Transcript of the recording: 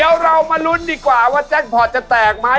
เอาละเว้ยเอาละเว้ยเจ็บเหนือกันได้เลย